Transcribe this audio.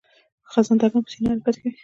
خزنده ګان په سینه حرکت کوي